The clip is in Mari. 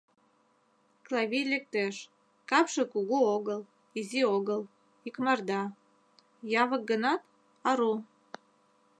Клавий лектеш: капше кугу огыл, изи огыл — икмарда; явык гынат, ару.